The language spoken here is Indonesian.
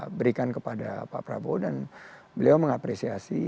dan saya berikan kepada pak prabowo dan beliau mengapresiasi